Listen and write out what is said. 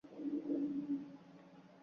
Ko’zimga yosh to’lar mana shu yerda.